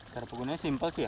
cara penggunanya simpel sih ya